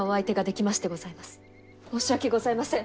申し訳ございません！